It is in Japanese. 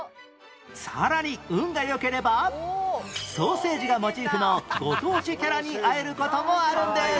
さらに運がよければソーセージがモチーフのご当地キャラに会える事もあるんです